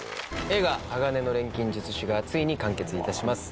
映画「鋼の錬金術師」がついに完結いたします